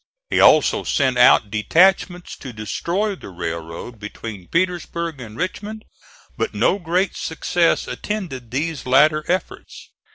He also sent out detachments to destroy the railroad between Petersburg and Richmond, but no great success attended these latter efforts.